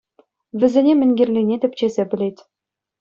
Вӗсене мӗн кирлине тӗпчесе пӗлет.